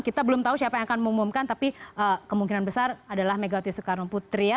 kita belum tahu siapa yang akan mengumumkan tapi kemungkinan besar adalah megawati soekarno putri ya